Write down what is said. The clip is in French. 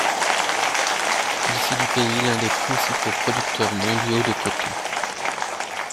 Il fit du pays l'un des principaux producteurs mondiaux de coton.